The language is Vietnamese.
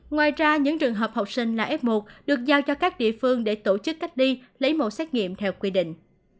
ngoài ra những trường hợp học sinh là f một được giao cho các địa phương để tổ chức cách ly lấy mẫu xét nghiệm theo quy định